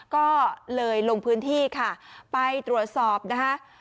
ก็เลยลงพื้นที่ค่ะไปตรวจสอบนะคะ